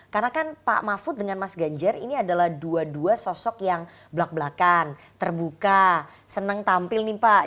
karena kan pak mahfud dengan mas ganjar ini adalah dua dua sosok yang belak belakan terbuka senang tampil nih pak